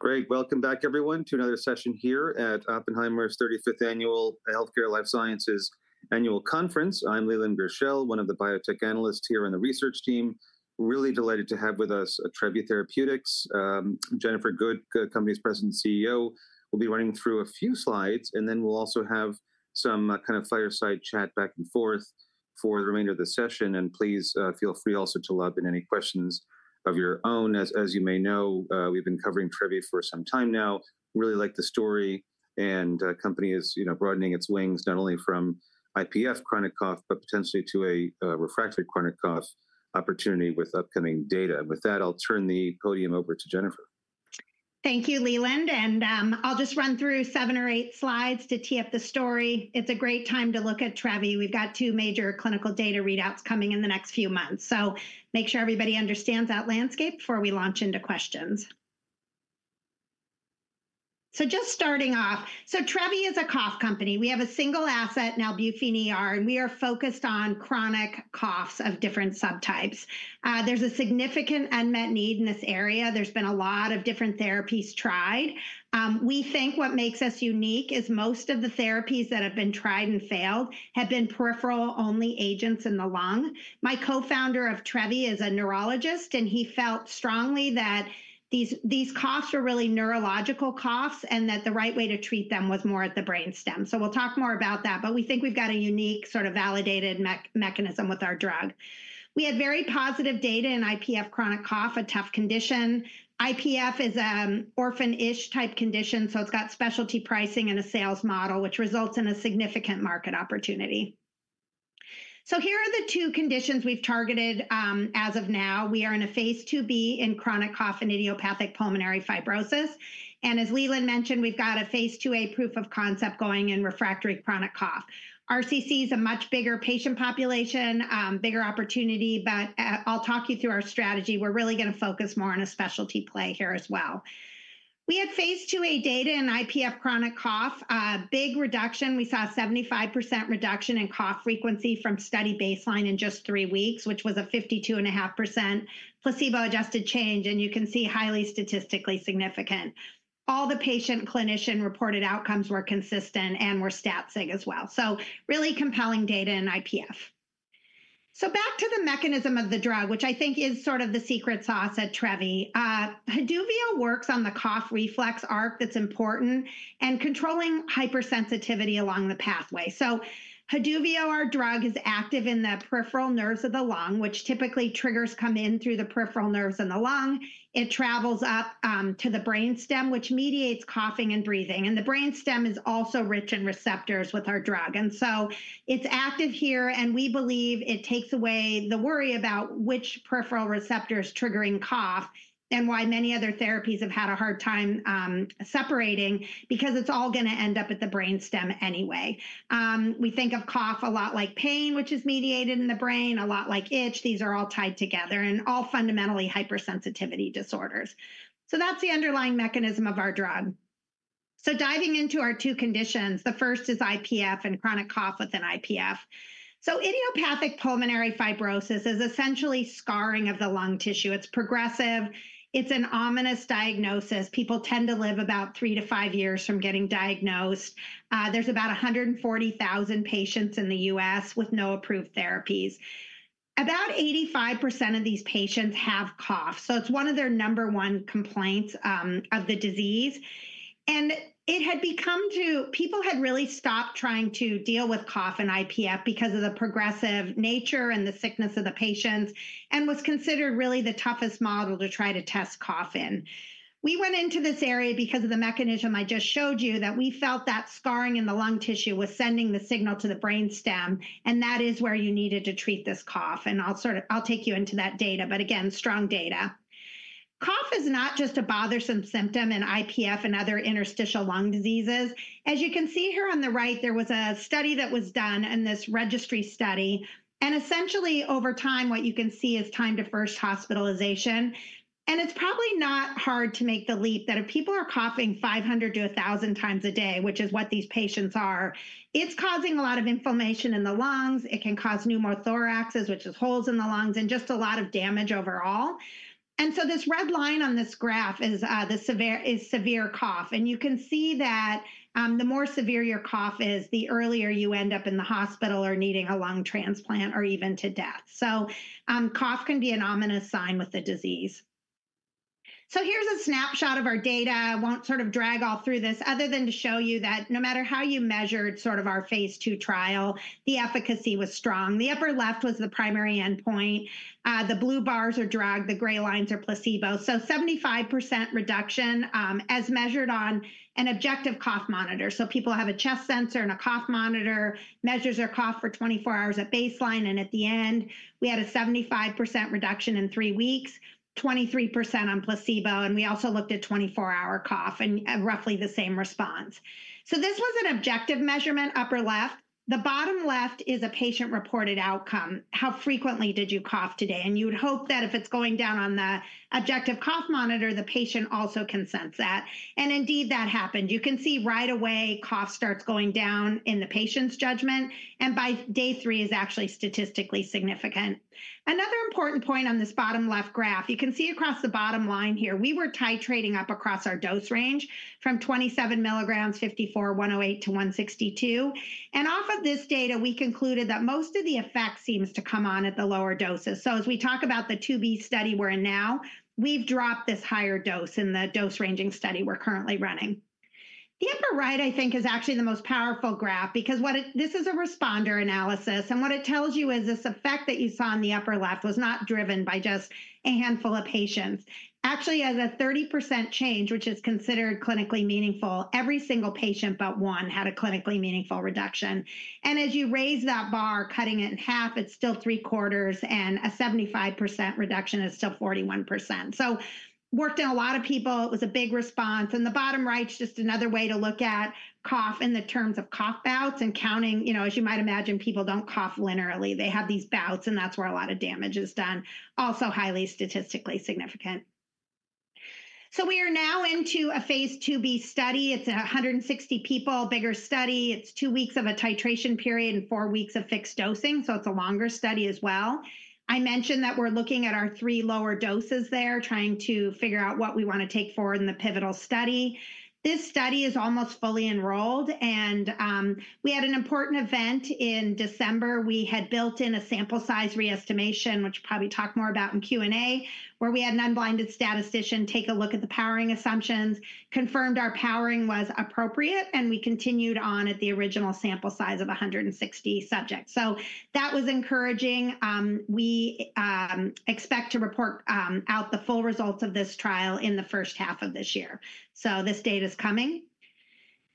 Great. Welcome back, everyone, to another session here at Oppenheimer's 35th Annual Healthcare Life Sciences Annual Conference. I'm Leland Gershell, one of the biotech analysts here on the research team. Really delighted to have with us Trevi Therapeutics, Jennifer Good, company's President and CEO. We'll be running through a few slides, and then we'll also have some kind of fireside chat back and forth for the remainder of the session. And please feel free also to lob in any questions of your own. As you may know, we've been covering Trevi for some time now. Really like the story, and the company is broadening its wings not only from IPF chronic cough, but potentially to a refractory chronic cough opportunity with upcoming data, and with that, I'll turn the podium over to Jennifer. Thank you, Leland, and I'll just run through seven or eight slides to tee up the story. It's a great time to look at Trevi. We've got two major clinical data readouts coming in the next few months, so make sure everybody understands that landscape before we launch into questions, so just starting off, Trevi is a cough company. We have a single asset now, Nalbuphine ER, and we are focused on chronic coughs of different subtypes. There's a significant unmet need in this area. There's been a lot of different therapies tried. We think what makes us unique is most of the therapies that have been tried and failed have been peripheral-only agents in the lung. My co-founder of Trevi is a neurologist, and he felt strongly that these coughs are really neurological coughs and that the right way to treat them was more at the brainstem. So we'll talk more about that. But we think we've got a unique sort of validated mechanism with our drug. We had very positive data in IPF chronic cough, a tough condition. IPF is an orphan-ish type condition, so it's got specialty pricing and a sales model, which results in a significant market opportunity. So here are the two conditions we've targeted as of now. We are in a Phase 2b in chronic cough and idiopathic pulmonary fibrosis. And as Leland mentioned, we've got a phase 2A proof of concept going in refractory chronic cough. RCC is a much bigger patient population, bigger opportunity, but I'll talk you through our strategy. We're really going to focus more on a specialty play here as well. We had phase 2A data in IPF chronic cough, big reduction. We saw a 75% reduction in cough frequency from study baseline in just three weeks, which was a 52.5% placebo-adjusted change, and you can see highly statistically significant. All the patient clinician reported outcomes were consistent and were stat-sig as well. Really compelling data in IPF. Back to the mechanism of the drug, which I think is sort of the secret sauce at Trevi. Haduvio works on the cough reflex arc that's important and controlling hypersensitivity along the pathway. Haduvio, our drug, is active in the peripheral nerves of the lung, which typically triggers cough in through the peripheral nerves in the lung. It travels up to the brainstem, which mediates coughing and breathing. The brainstem is also rich in receptors with our drug. It's active here, and we believe it takes away the worry about which peripheral receptors are triggering cough and why many other therapies have had a hard time separating because it's all going to end up at the brainstem anyway. We think of cough a lot like pain, which is mediated in the brain, a lot like itch. These are all tied together and all fundamentally hypersensitivity disorders. That's the underlying mechanism of our drug. Diving into our two conditions, the first is IPF and chronic cough within IPF. Idiopathic pulmonary fibrosis is essentially scarring of the lung tissue. It's progressive. It's an ominous diagnosis. People tend to live about three to five years from getting diagnosed. There's about 140,000 patients in the U.S. with no approved therapies. About 85% of these patients have cough. It's one of their number one complaints of the disease. It had become such that people had really stopped trying to deal with cough in IPF because of the progressive nature and the sickness of the patients and was considered really the toughest model to try to test cough in. We went into this area because of the mechanism I just showed you that we felt that scarring in the lung tissue was sending the signal to the brainstem, and that is where you needed to treat this cough. I'll take you into that data, but again, strong data. Cough is not just a bothersome symptom in IPF and other interstitial lung diseases. As you can see here on the right, there was a study that was done in this registry study. Essentially, over time, what you can see is time to first hospitalization. It's probably not hard to make the leap that if people are coughing 500-1,000 times a day, which is what these patients are, it's causing a lot of inflammation in the lungs. It can cause pneumothoraces, which are holes in the lungs, and just a lot of damage overall. This red line on this graph is severe cough. You can see that the more severe your cough is, the earlier you end up in the hospital or needing a lung transplant or even to death. Cough can be an ominous sign with the disease. Here's a snapshot of our data. I won't sort of drag all through this other than to show you that no matter how you measured sort of our phase 2 trial, the efficacy was strong. The upper left was the primary endpoint. The blue bars are drug. The gray lines are placebo. So 75% reduction as measured on an objective cough monitor. So people have a chest sensor and a cough monitor, measures their cough for 24 hours at baseline. And at the end, we had a 75% reduction in three weeks, 23% on placebo. And we also looked at 24-hour cough and roughly the same response. So this was an objective measurement, upper left. The bottom left is a patient-reported outcome. How frequently did you cough today? And you would hope that if it's going down on the objective cough monitor, the patient also can sense that. And indeed, that happened. You can see right away cough starts going down in the patient's judgment. And by day three, it is actually statistically significant. Another important point on this bottom left graph. You can see across the bottom line here, we were titrating up across our dose range from 27 milligrams, 54, 108 to 162. And off of this data, we concluded that most of the effect seems to come on at the lower doses. So as we talk about the 2B study we're in now, we've dropped this higher dose in the dose ranging study we're currently running. The upper right, I think, is actually the most powerful graph because this is a responder analysis. And what it tells you is this effect that you saw on the upper left was not driven by just a handful of patients. Actually, as a 30% change, which is considered clinically meaningful, every single patient but one had a clinically meaningful reduction. And as you raise that bar, cutting it in half, it's still three quarters, and a 75% reduction is still 41%. So worked in a lot of people. It was a big response. And the bottom right is just another way to look at cough in terms of cough bouts and counting. You know, as you might imagine, people don't cough linearly. They have these bouts, and that's where a lot of damage is done. Also highly statistically significant. So we are now into a Phase 2b study. It's 160 people, bigger study. It's two weeks of a titration period and four weeks of fixed dosing. So it's a longer study as well. I mentioned that we're looking at our three lower doses there, trying to figure out what we want to take forward in the pivotal study. This study is almost fully enrolled. And we had an important event in December. We had built in a sample size re-estimation, which we'll probably talk more about in Q&A, where we had an unblinded statistician take a look at the powering assumptions, confirmed our powering was appropriate, and we continued on at the original sample size of 160 subjects. So that was encouraging. We expect to report out the full results of this trial in the first half of this year. So this data is coming.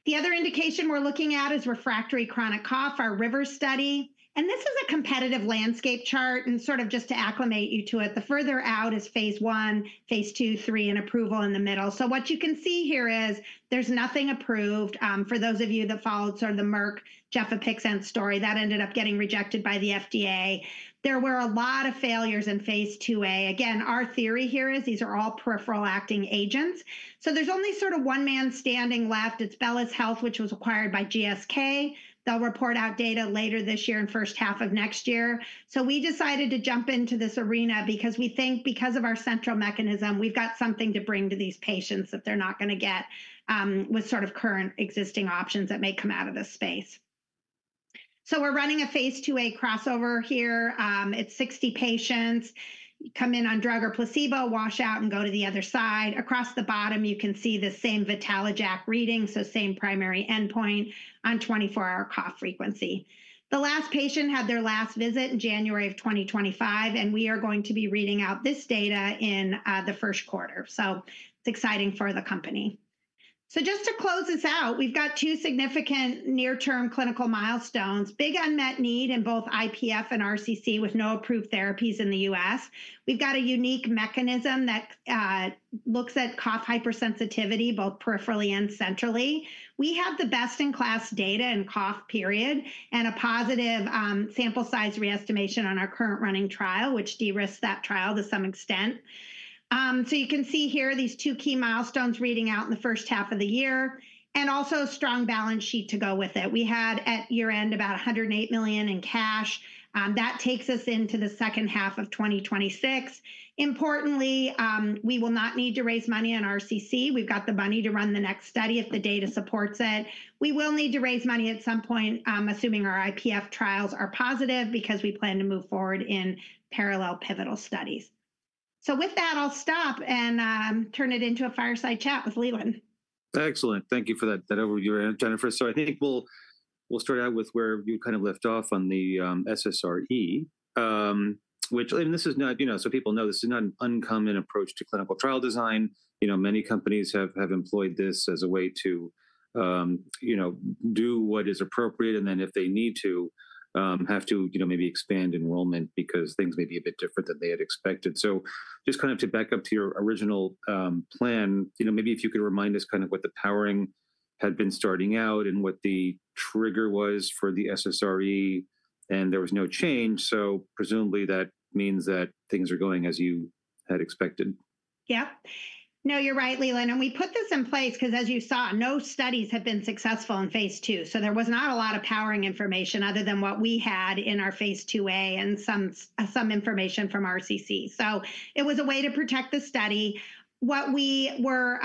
The other indication we're looking at is refractory chronic cough, our RIVER study. And this is a competitive landscape chart. And sort of just to acclimate you to it, the further out is phase 1, phase 2, 3, and approval in the middle. So what you can see here is there's nothing approved. For those of you that followed sort of the Merck-Gefapixant story, that ended up getting rejected by the FDA. There were a lot of failures in phase 2A. Again, our theory here is these are all peripheral-acting agents. So there's only sort of one man standing left. It's Bellus Health, which was acquired by GSK. They'll report out data later this year and first half of next year. So we decided to jump into this arena because we think because of our central mechanism, we've got something to bring to these patients that they're not going to get with sort of current existing options that may come out of this space. So we're running a phase 2A crossover here. It's 60 patients come in on drug or placebo, wash out, and go to the other side. Across the bottom, you can see the same VitaloJAK reading, so same primary endpoint on 24-hour cough frequency. The last patient had their last visit in January of 2025, and we are going to be reading out this data in the first quarter, so it is exciting for the company, so just to close this out, we have got two significant near-term clinical milestones. Big unmet need in both IPF and RCC with no approved therapies in the U.S. We have got a unique mechanism that looks at cough hypersensitivity both peripherally and centrally. We have the best-in-class data in cough, period, and a positive sample size re-estimation on our current running trial, which de-risked that trial to some extent, so you can see here these two key milestones reading out in the first half of the year and also a strong balance sheet to go with it. We had at year-end about $108 million in cash. That takes us into the second half of 2026. Importantly, we will not need to raise money on RCC. We've got the money to run the next study if the data supports it. We will need to raise money at some point, assuming our IPF trials are positive because we plan to move forward in parallel pivotal studies. So with that, I'll stop and turn it into a fireside chat with Leland. Excellent. Thank you for that overview, Jennifer. So I think we'll start out with where you kind of left off on the SSRE, which, and this is not, you know, so people know this is not an uncommon approach to clinical trial design. You know, many companies have employed this as a way to, you know, do what is appropriate and then if they need to have to, you know, maybe expand enrollment because things may be a bit different than they had expected. So just kind of to back up to your original plan, you know, maybe if you could remind us kind of what the powering had been starting out and what the trigger was for the SSRE and there was no change. So presumably that means that things are going as you had expected. Yep. No, you're right, Leland. We put this in place because as you saw, no studies have been successful in phase 2. There was not a lot of powering information other than what we had in our phase 2A and some information from RCC. It was a way to protect the study. What we were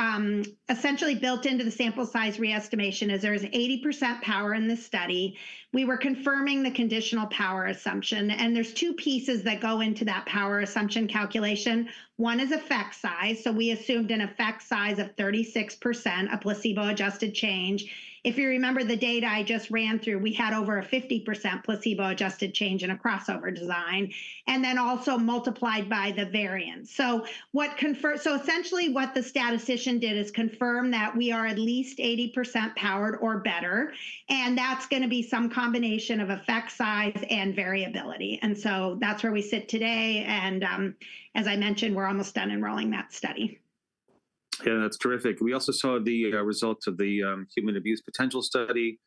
essentially built into the sample size re-estimation is there is 80% power in this study. We were confirming the conditional power assumption. There's two pieces that go into that power assumption calculation. One is effect size. We assumed an effect size of 36%, a placebo-adjusted change. If you remember the data I just ran through, we had over a 50% placebo-adjusted change in a crossover design and then also multiplied by the variance. So essentially what the statistician did is confirm that we are at least 80% powered or better. And that's going to be some combination of effect size and variability. And so that's where we sit today. And as I mentioned, we're almost done enrolling that study. Yeah, that's terrific. We also saw the results of the human abuse potential study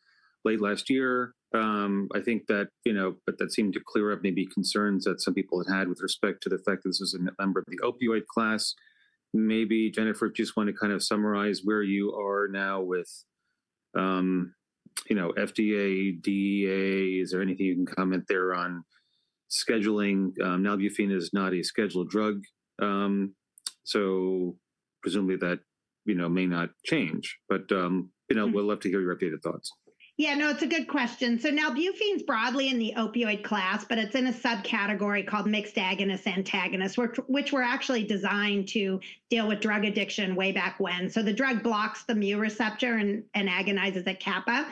late last year. I think that, you know, but that seemed to clear up maybe concerns that some people had had with respect to the fact that this was a member of the opioid class. Maybe Jennifer, just want to kind of summarize where you are now with, you know, FDA, DEA. Is there anything you can comment there on scheduling? Nalbuphine is not a scheduled drug. So presumably that, you know, may not change. But, you know, we'd love to hear your updated thoughts. Yeah, no, it's a good question. So nalbuphine is broadly in the opioid class, but it's in a subcategory called mixed agonist antagonists, which were actually designed to deal with drug addiction way back when. So the drug blocks the mu receptor and agonizes at kappa.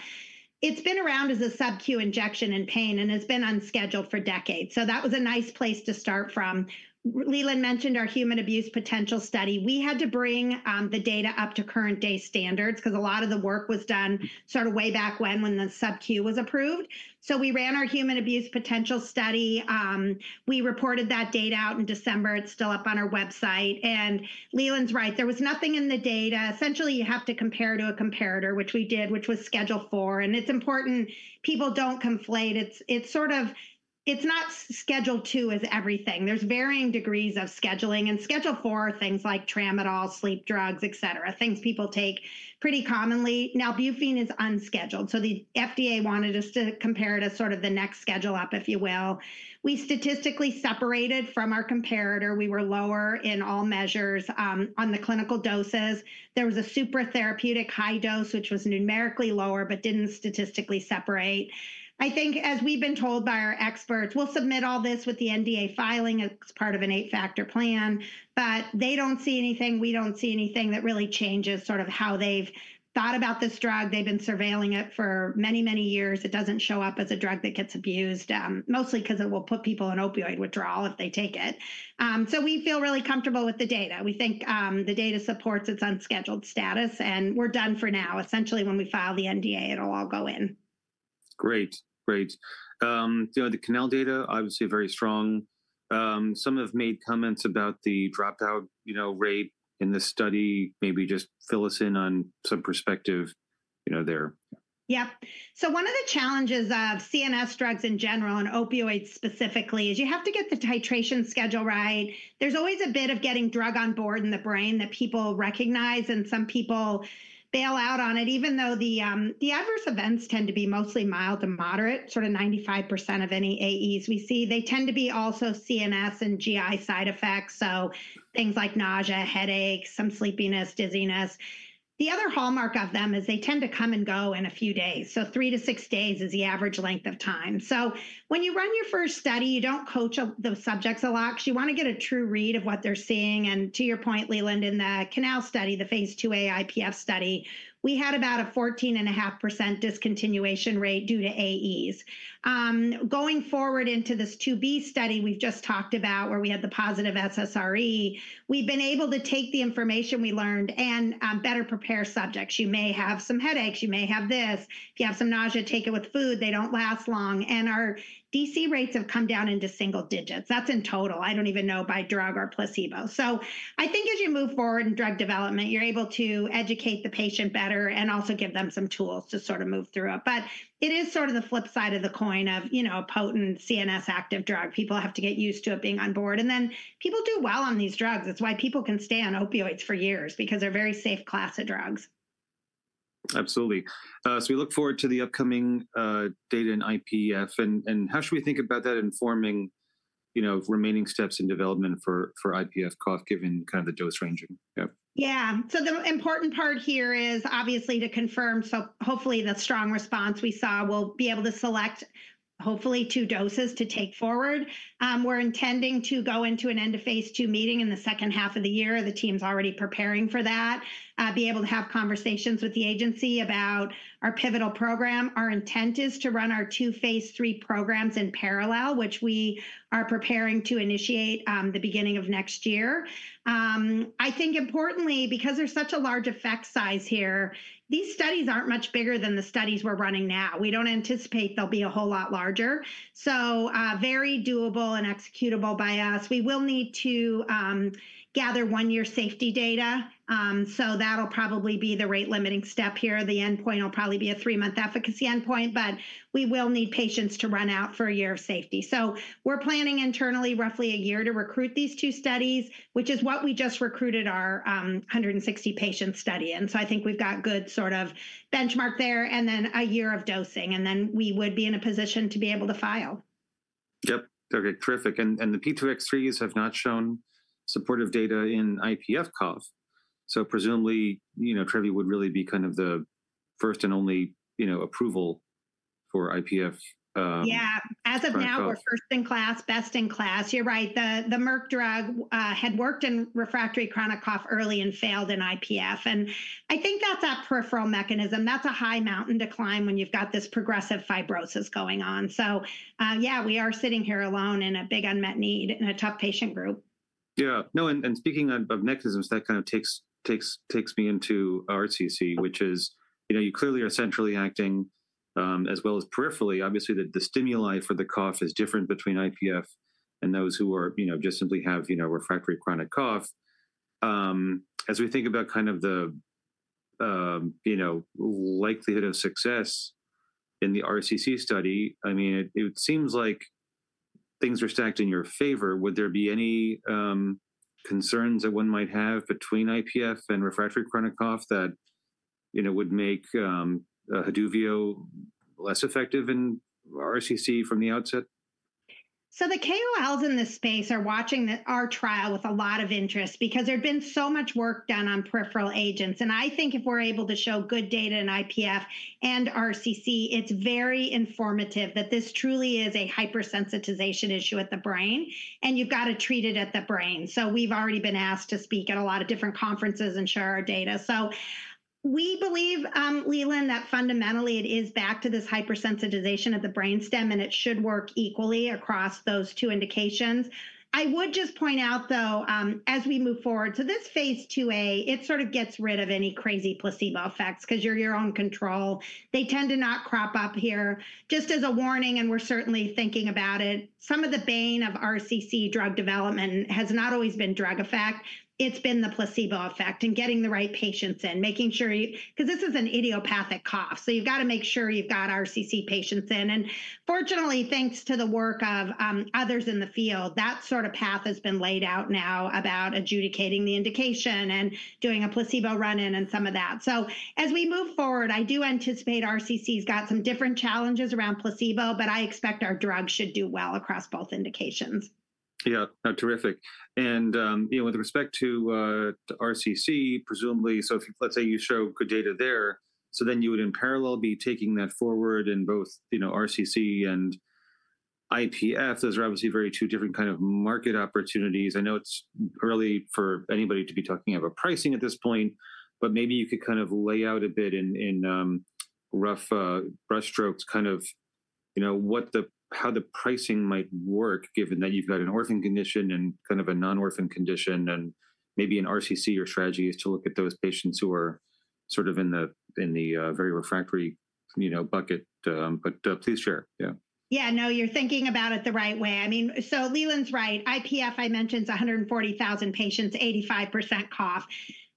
It's been around as a subcu injection in pain and has been unscheduled for decades. So that was a nice place to start from. Leland mentioned our human abuse potential study. We had to bring the data up to current-day standards because a lot of the work was done sort of way back when when the subcu was approved. So we ran our human abuse potential study. We reported that data out in December. It's still up on our website. And Leland's right. There was nothing in the data. Essentially, you have to compare to a comparator, which we did, which was Schedule IV. It's important people don't conflate. It's sort of, it's not Schedule II as everything. There's varying degrees of scheduling. And Schedule IV are things like tramadol, sleep drugs, et cetera, things people take pretty commonly. Nalbuphine is unscheduled. So the FDA wanted us to compare it as sort of the next schedule up, if you will. We statistically separated from our comparator. We were lower in all measures on the clinical doses. There was a supratherapeutic high dose, which was numerically lower, but didn't statistically separate. I think as we've been told by our experts, we'll submit all this with the NDA filing as part of an eight-factor plan. But they don't see anything. We don't see anything that really changes sort of how they've thought about this drug. They've been surveilling it for many, many years. It doesn't show up as a drug that gets abused, mostly because it will put people on opioid withdrawal if they take it. So we feel really comfortable with the data. We think the data supports its unscheduled status. And we're done for now. Essentially, when we file the NDA, it'll all go in. Great, great. You know, the CANAL data, obviously very strong. Some have made comments about the dropout, you know, rate in this study. Maybe just fill us in on some perspective, you know, there. Yep, so one of the challenges of CNS drugs in general and opioids specifically is you have to get the titration schedule right. There's always a bit of getting drug on board in the brain that people recognize, and some people bail out on it, even though the adverse events tend to be mostly mild to moderate, sort of 95% of any AEs we see. They tend to be also CNS and GI side effects, so things like nausea, headaches, some sleepiness, dizziness. The other hallmark of them is they tend to come and go in a few days, so three to six days is the average length of time, so when you run your first study, you don't coach the subjects a lot because you want to get a true read of what they're seeing. And to your point, Leland, in the CANAL study, the phase 2A IPF study, we had about a 14.5% discontinuation rate due to AEs. Going forward into this Phase 2b study we've just talked about where we had the positive SSRE, we've been able to take the information we learned and better prepare subjects. You may have some headaches. You may have this. If you have some nausea, take it with food. They don't last long. And our DC rates have come down into single digits. That's in total. I don't even know by drug or placebo. So I think as you move forward in drug development, you're able to educate the patient better and also give them some tools to sort of move through it. But it is sort of the flip side of the coin of, you know, a potent CNS active drug. People have to get used to it being on board, and then people do well on these drugs. It's why people can stay on opioids for years because they're a very safe class of drugs. Absolutely. So we look forward to the upcoming data in IPF. And how should we think about that informing, you know, remaining steps in development for IPF cough given kind of the dose ranging? Yeah. So the important part here is obviously to confirm. So hopefully the strong response we saw, we'll be able to select hopefully two doses to take forward. We're intending to go into an end-of-phase 2 meeting in the second half of the year. The team's already preparing for that, be able to have conversations with the agency about our pivotal program. Our intent is to run our two phase 3 programs in parallel, which we are preparing to initiate the beginning of next year. I think importantly, because there's such a large effect size here, these studies aren't much bigger than the studies we're running now. We don't anticipate they'll be a whole lot larger. So very doable and executable by us. We will need to gather one-year safety data. So that'll probably be the rate-limiting step here. The endpoint will probably be a three-month efficacy endpoint, but we will need patients to run out for a year of safety. So we're planning internally roughly a year to recruit these two studies, which is what we just recruited our 160-patient study in. So I think we've got good sort of benchmark there and then a year of dosing, and then we would be in a position to be able to file. Yep. Okay. Terrific. And the P2X3s have not shown supportive data in IPF cough. So presumably, you know, Trevi would really be kind of the first and only, you know, approval for IPF. Yeah. As of now, we're first in class, best in class. You're right. The Merck drug had worked in refractory chronic cough early and failed in IPF. And I think that's that peripheral mechanism. That's a high mountain to climb when you've got this progressive fibrosis going on. So yeah, we are sitting here alone in a big unmet need and a tough patient group. Yeah. No, and speaking of mechanisms, that kind of takes me into RCC, which is, you know, you clearly are centrally acting as well as peripherally. Obviously, the stimuli for the cough is different between IPF and those who are, you know, just simply have, you know, refractory chronic cough. As we think about kind of the, you know, likelihood of success in the RCC study, I mean, it seems like things are stacked in your favor. Would there be any concerns that one might have between IPF and refractory chronic cough that, you know, would make Haduvio less effective in RCC from the outset? So the KOLs in this space are watching our trial with a lot of interest because there's been so much work done on peripheral agents. And I think if we're able to show good data in IPF and RCC, it's very informative that this truly is a hypersensitization issue at the brain. And you've got to treat it at the brain. So we've already been asked to speak at a lot of different conferences and share our data. So we believe, Leland, that fundamentally it is back to this hypersensitization of the brainstem, and it should work equally across those two indications. I would just point out, though, as we move forward to this phase 2A, it sort of gets rid of any crazy placebo effects because you're your own control. They tend to not crop up here. Just as a warning, and we're certainly thinking about it, some of the bane of RCC drug development has not always been drug effect. It's been the placebo effect and getting the right patients in, making sure you, because this is an idiopathic cough. So you've got to make sure you've got RCC patients in. And fortunately, thanks to the work of others in the field, that sort of path has been laid out now about adjudicating the indication and doing a placebo run-in and some of that. So as we move forward, I do anticipate RCC's got some different challenges around placebo, but I expect our drug should do well across both indications. Yeah. Terrific. And, you know, with respect to RCC, presumably, so let's say you show good data there, so then you would in parallel be taking that forward in both, you know, RCC and IPF. Those are obviously very two different kind of market opportunities. I know it's early for anybody to be talking about pricing at this point, but maybe you could kind of lay out a bit in rough brushstrokes kind of, you know, what the, how the pricing might work given that you've got an orphan condition and kind of a non-orphan condition and maybe an RCC or strategy is to look at those patients who are sort of in the very refractory, you know, bucket. But please share. Yeah. Yeah. No, you're thinking about it the right way. I mean, so Leland's right. IPF, I mentioned 140,000 patients, 85% cough.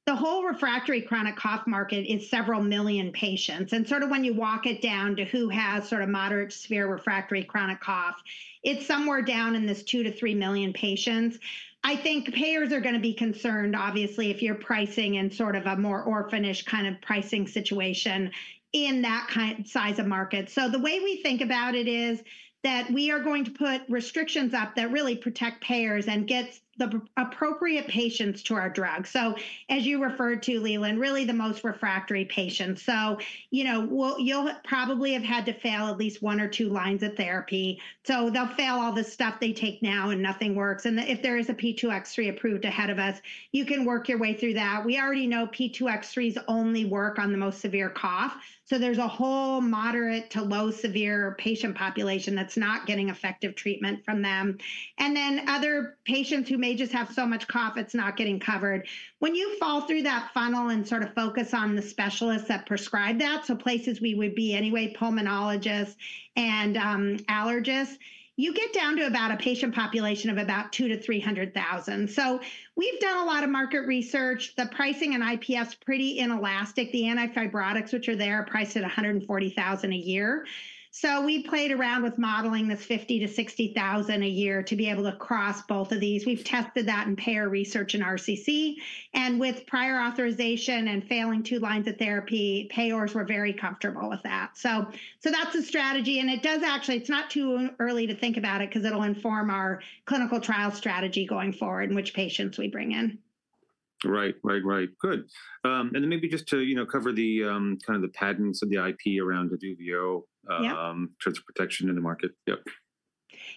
The whole refractory chronic cough market is several million patients. And sort of when you walk it down to who has sort of moderate to severe refractory chronic cough, it's somewhere down in this two to three million patients. I think payers are going to be concerned, obviously, if you're pricing in sort of a more orphanish kind of pricing situation in that kind of size of market. So the way we think about it is that we are going to put restrictions up that really protect payers and get the appropriate patients to our drug. So as you referred to, Leland, really the most refractory patients. So, you know, you'll probably have had to fail at least one or two lines of therapy. So they'll fail all the stuff they take now and nothing works, and if there is a P2X3 approved ahead of us, you can work your way through that. We already know P2X3s only work on the most severe cough, so there's a whole moderate to low severe patient population that's not getting effective treatment from them, and then other patients who may just have so much cough, it's not getting covered. When you fall through that funnel and sort of focus on the specialists that prescribe that, so places we would be anyway, pulmonologists and allergists, you get down to about a patient population of about 200,000 to 300,000, so we've done a lot of market research. The pricing in IPF's pretty inelastic. The antifibrotics, which are there, are priced at $140,000 a year. So we played around with modeling this $50,000-$60,000 a year to be able to cross both of these. We've tested that in payer research in RCC. And with prior authorization and failing two lines of therapy, payers were very comfortable with that. So that's a strategy. And it does actually, it's not too early to think about it because it'll inform our clinical trial strategy going forward and which patients we bring in. Right, right, right. Good, and then maybe just to, you know, cover the kind of the patents of the IP around Haduvio in terms of protection in the market. Yep.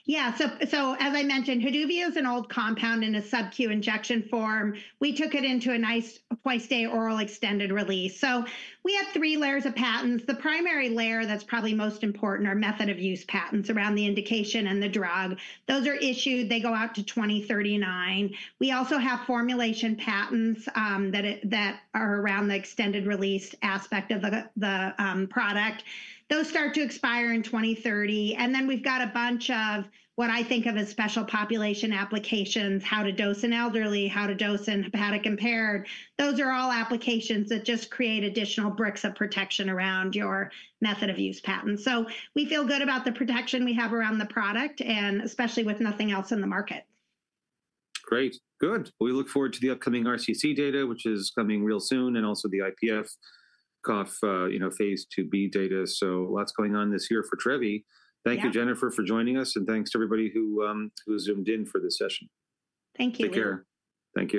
Yeah. So as I mentioned, Haduvio is an old compound in a subcu injection form. We took it into a nice twice-day oral extended release. So we have three layers of patents. The primary layer that's probably most important are method of use patents around the indication and the drug. Those are issued. They go out to 2039. We also have formulation patents that are around the extended release aspect of the product. Those start to expire in 2030. And then we've got a bunch of what I think of as special population applications, how to dose an elderly, how to dose in hepatic impaired. Those are all applications that just create additional bricks of protection around your method of use patent. So we feel good about the protection we have around the product, and especially with nothing else in the market. Great. Good. We look forward to the upcoming RCC data, which is coming real soon, and also the IPF cough, you know, Phase 2b data. So lots going on this year for Trevi. Thank you, Jennifer, for joining us. And thanks to everybody who zoomed in for this session. Thank you. Take care. Thank you.